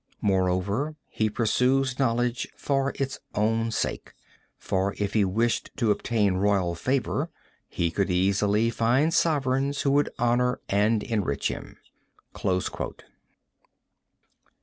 Moreover, he pursues knowledge for its own sake; for if he wished to obtain royal favor, he could easily find sovereigns who would honor and enrich him."